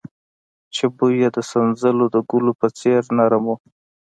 چې بوى يې د سنځلو د ګلو په څېر نرم و.